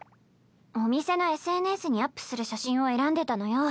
お店のＳＮＳにアップする写真を選んでたのよ。